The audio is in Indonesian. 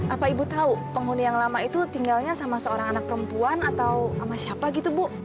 apa ibu tahu penghuni yang lama itu tinggalnya sama seorang anak perempuan atau sama siapa gitu bu